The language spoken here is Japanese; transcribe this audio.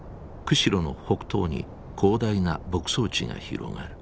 釧路の北東に広大な牧草地が広がる。